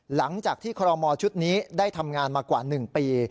หลังจากที่คอรมอชุดนี้ได้ทำงานมากว่า๑ปี